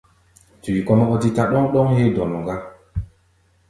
Tui kɔ́-mɛ́ ɔ́ dítá ɗɔ́ŋ-ɗɔ́ŋ héé dɔnɔ gá.